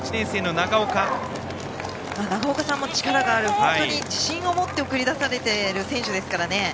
長岡さんも力のある自信を持って送り出されている選手ですからね。